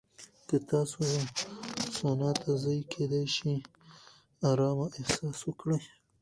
که تاسو سونا ته ځئ، کېدای شي ارامه احساس وکړئ.